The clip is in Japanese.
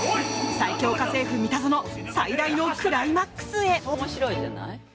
最恐家政夫・三田園最大のクライマックスへ！